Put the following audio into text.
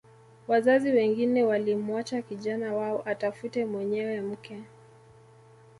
Wazazi wengine walimwacha kijana wao atafute mwenyewe mke